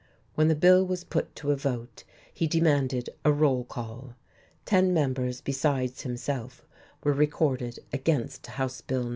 When the bill was put to a vote he demanded a roll call. Ten members besides himself were recorded against House Bill No.